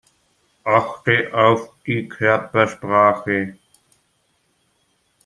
Achte auf die Körpersprache.